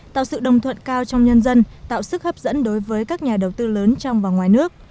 tạo sự đồng thuận cao trong nhân dân tạo sức hấp dẫn đối với các nhà đầu tư lớn trong và ngoài nước